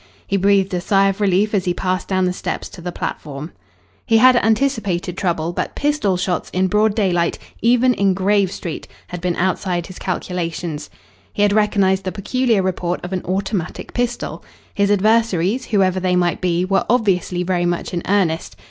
He breathed a sigh of relief as he passed down the steps to the platform. He had anticipated trouble, but pistol shots in broad daylight, even in Grave Street, had been outside his calculations. He had recognised the peculiar report of an automatic pistol. His adversaries, whoever they might be, were obviously very much in earnest.